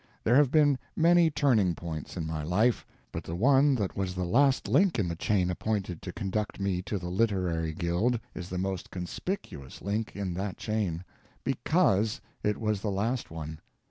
There have been many turning points in my life, but the one that was the last link in the chain appointed to conduct me to the literary guild is the most _conspicuous _link in that chain. _because _it was the last one.